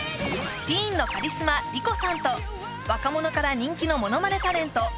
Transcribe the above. ティーンのカリスマ莉子さんと若者から人気のものまねタレント